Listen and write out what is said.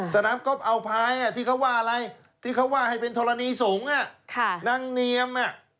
สนามก๊อฟเอาพายที่เขาว่าอะไรที่เขาว่าให้เป็นธรณีสงฆ์นางเนียม